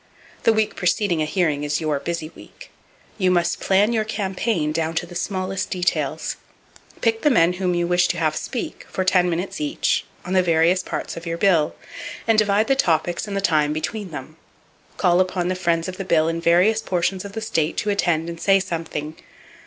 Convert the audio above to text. The week preceding a hearing is your busy week. You must plan your campaign, down to the smallest details. Pick the men whom you wish to have speak (for ten minutes each) on the various parts of your bill, and divide the topics and the time between them. Call upon the friends of the bill in various portions of the state to attend and "say something."